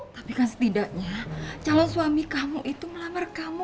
tapi kan setidaknya calon suami kamu itu melamar kamu